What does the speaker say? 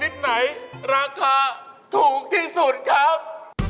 บอกว่ามันต่อเผือก